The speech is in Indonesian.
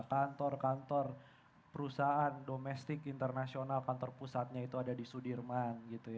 kantor kantor perusahaan domestik internasional kantor pusatnya itu ada di sudirman